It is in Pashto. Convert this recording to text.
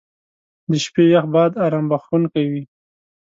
• د شپې یخ باد ارام بخښونکی وي.